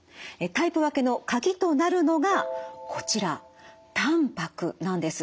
タイプ分けの鍵となるのがこちらたんぱくなんです。